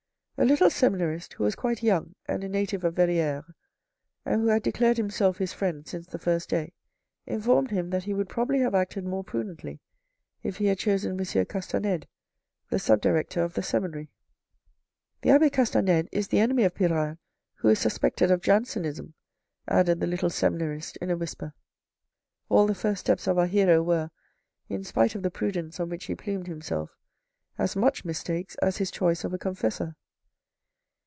A little seminarist, who was quite young and a native of Verrieres, and who had declared himself his friend since the first day, informed him that he would probably have acted more prudently if he had chosen M. Castanede, the sub director of the seminary THE WORLD, OR WHAT THE RICH LACK 183 "The abbe Castanede is the enemy of Pirard, who is suspected of Jansenism," added the little seminarist in a whisper. All the first steps of our hero were, in spite of the prudence on which he plumed himself, as much mistakes as his choice of a confessor.